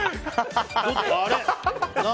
あれ？